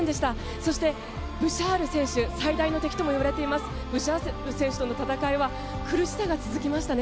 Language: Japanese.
そして最大の敵ともいわれているブシャール選手との戦いは苦しさが続きましたね。